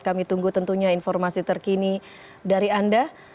kami tunggu tentunya informasi terkini dari anda